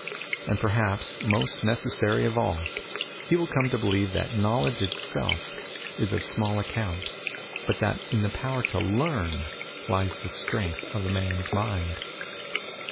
And perhaps, most necessary of all, he will come to believe that knowledge itself is of small account, but that in the power to learn lies the strength of a man's mind.